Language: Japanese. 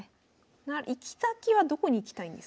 行き先はどこに行きたいんですか？